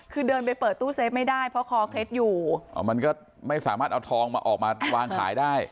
คือเดินไปเปิดตู้เซฟไม่ได้เพราะคอเคล็ดอยู่อ๋อมันก็ไม่สามารถเอาทองมาออกมาวางขายได้